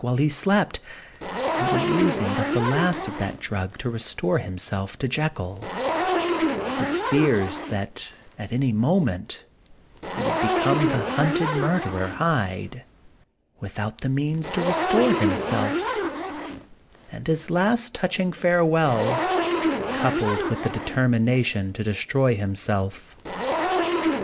2 1 while he slept, and the using of the last of that drug to restore himself to Jekyll; his fears that at any moment he would become the hunted murderer Hyde, with out the means to restore himself; and his last touching farewell, coupled with the determination to destroy himself.